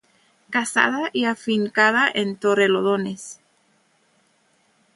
Casada y afincada en Torrelodones.